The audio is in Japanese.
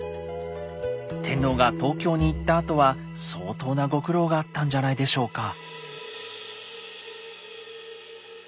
天皇が東京に行ったあとは相当なご苦労があったんじゃないでしょうか？